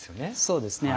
そうですね。